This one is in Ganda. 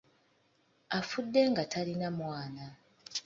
Afudde nga talina mwana.